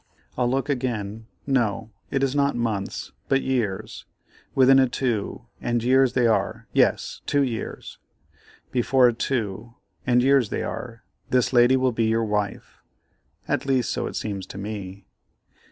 I'll look again; no, it is not months, but years; within a 2 and years they are, yes, 2 years; before a 2, and years they are, this lady will be your wife—at least, so it seems to me.